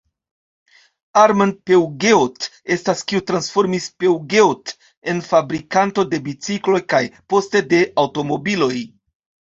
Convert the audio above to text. Armand Peugeot estas kiu transformis Peugeot en fabrikanto de bicikloj kaj, poste, de aŭtomobiloj.